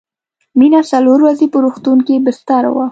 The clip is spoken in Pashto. مينه څلور ورځې په روغتون کې بستر وه